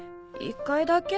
１回だけ？